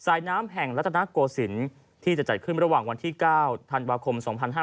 น้ำแห่งรัฐนาโกศิลป์ที่จะจัดขึ้นระหว่างวันที่๙ธันวาคม๒๕๕๙